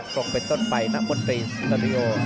ตรงเป็นต้นไปนักมดรีส์ตัวบิโอ